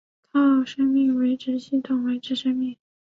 靠生命维持系统维持生命。